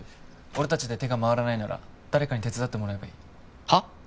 俺達で手が回らないなら誰かに手伝ってもらえばいいはっ？